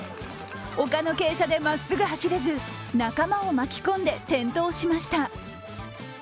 丘の傾斜でまっすぐ走れず仲間を巻き込んで転倒しました。